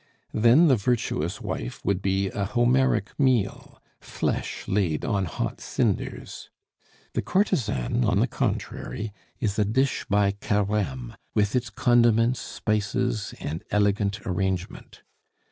Then the virtuous wife would be a Homeric meal, flesh laid on hot cinders. The courtesan, on the contrary, is a dish by Careme, with its condiments, spices, and elegant arrangement.